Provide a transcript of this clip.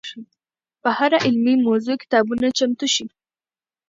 په هره علمي موضوع کتابونه چمتو شي.